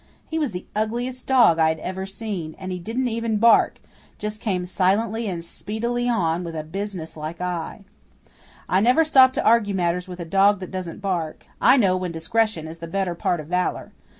He was the ugliest dog I had ever seen; and he didn't even bark just came silently and speedily on, with a business like eye. I never stop to argue matters with a dog that doesn't bark. I know when discretion is the better part of valour.